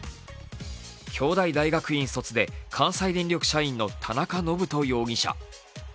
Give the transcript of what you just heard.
京大大学院卒で関西電力社員の田中信人容疑者。